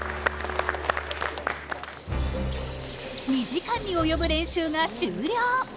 ２時間に及ぶ練習が終了。